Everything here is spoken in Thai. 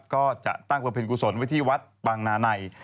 ก็จะตั้งประเภทกุศลไว้ที่วัดปังนาไหน